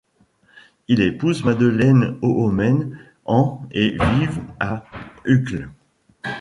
Il épouse Madeleine Oomen en et vivent à Uccle.